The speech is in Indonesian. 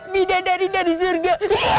bidadari dari surga